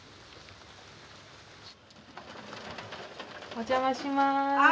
お邪魔します。